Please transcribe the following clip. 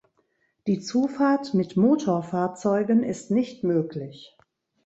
Die Zufahrt mit Motorfahrzeugen ist nicht möglich.